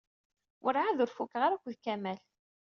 Werɛad ur fukeɣ ara akked Kamal.